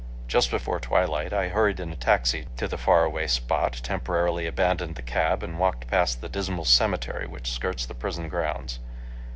Just before twilight, I hurried in a taxi to the far away spot, temporarily abandoned the cab and walked past the dismal cemetery which skirts the prison grounds.